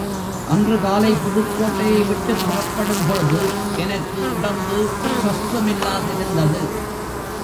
அன்று காலை புதுக்கோட்டையை விட்டுப் புறப்படும் பொழுது எனக்கு உடம்பு சொஸ்தமில்லாதிருந்தது.